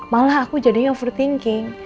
malah aku jadinya overthinking